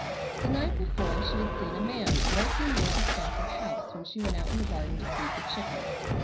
The night before she had seen a man lurking near the Spafford house when she went out in the garden to feed the chickens.